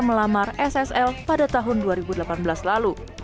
melamar ssl pada tahun dua ribu delapan belas lalu